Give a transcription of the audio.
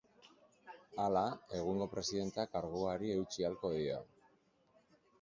Hala, egungo presidenteak karguari heldu ahalko dio.